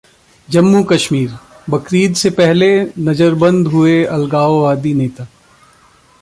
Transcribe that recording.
जम्मू-कश्मीर: बकरीद से पहले नजरबंद हुए अलगाववादी नेता